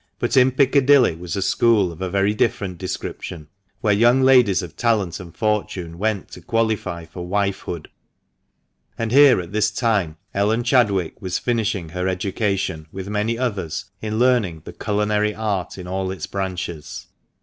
But in Piccadilly was a school of a very different description, where young ladies of talent and fortune went to qualify for ivifehood ; and here at this time Ellen Chadwick was finishing her education, with many others, in learning the culinary art in all its branches.